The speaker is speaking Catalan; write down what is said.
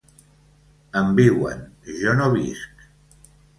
Em viuen, jo no visc.